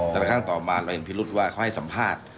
แต่ครั้งต่อมาเราเห็นพิรุษว่าเขาให้สัมภาษณ์